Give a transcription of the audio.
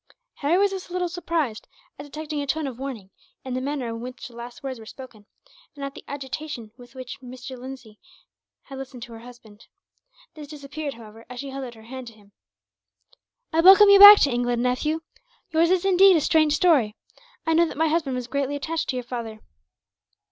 Harry was a little surprised at detecting a tone of warning, in the manner in which the last words were spoken; and at the agitation with which Mrs. Lindsay had listened to her husband. This disappeared, however, as she held out her hand to him. "I welcome you back to England, nephew. Yours is indeed a strange story. I know that my husband was greatly attached to your father."